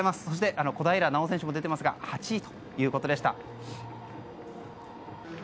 そして小平奈緒選手ですが８位ということでした。